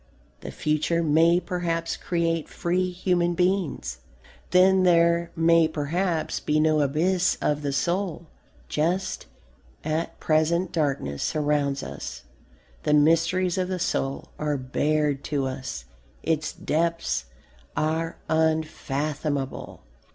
The future may perhaps create free human beings. Then there may perhaps be no abysms of the soul. Just at present darkness surrounds us. The mysteries of the soul are barred to us. Its depths are unfathomable.